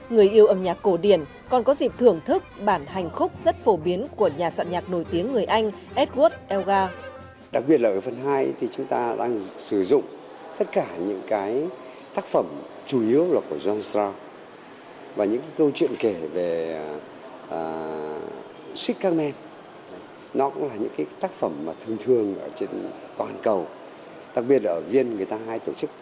người yêu âm nhạc cổ điển còn có dịp thưởng thức bản hành khúc rất phổ biến của nhà soạn nhạc nổi tiếng người anh edward elgar